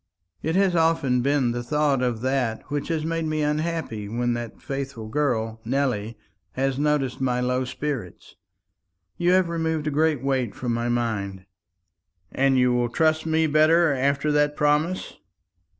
It has often been the thought of that which has made me unhappy when that faithful girl, Nelly, has noticed my low spirits. You have removed a great weight from my mind." "And you will trust me better after that promise?"